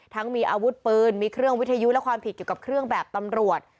มีอาวุธปืนมีเครื่องวิทยุและความผิดเกี่ยวกับเครื่องแบบตำรวจ